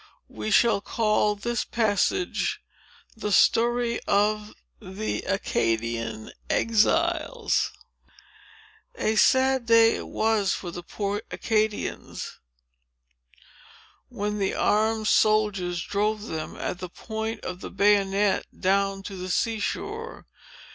We shall call this passage the story of THE ACADIAN EXILES A sad day it was for the poor Acadians, when the armed soldiers drove them, at the point of the bayonet, down to the sea shore.